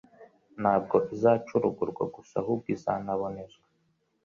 ntabwo izacurugurwa gusa ahubwo izanabonezwa.